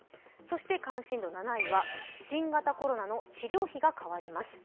関心度７位は新型コロナの治療費が変わります。